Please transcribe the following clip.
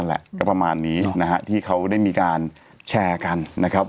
นั่นแหละก็ประมาณนี้นะฮะที่เขาได้มีการแชลกัน